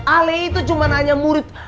ala itu cuman hanya murid